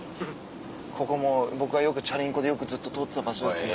ここも僕がよくチャリンコでよくずっと通ってた場所ですね。